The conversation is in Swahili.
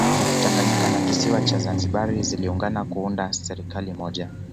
Tanganyika na kisiwa cha Zanzibar zilungana kuunda ya serikali moja